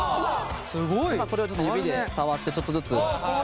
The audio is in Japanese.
今これを指で触ってちょっとずつ。